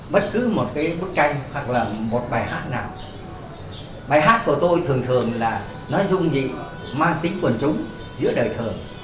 bất cứ một cái bức tranh hoặc là một bài hát nào bài hát của tôi thường thường là nói dung dị mang tính quần chúng giữa đời thường